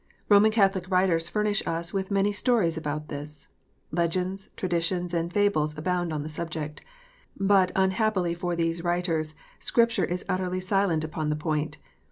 Roman Catholic writers furnish us with many stories about this. Legends, traditions, and fables abound on the subject. But unhappily for these writers, Scripture is utterly silent upon the point.